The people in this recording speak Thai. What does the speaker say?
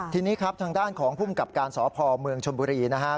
ทีนี้ครับทางด้านของภูมิกับการสพเมืองชมบุรีนะครับ